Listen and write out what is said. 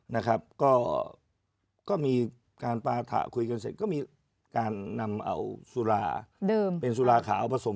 นะครับก็ก็มีการปาถ่าคุยกันสิก็มีการนำเอาซุราเบอร์ในสุราขาวผสม